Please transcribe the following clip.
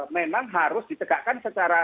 memang harus ditegakkan secara